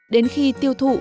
đến khi tiêu thụ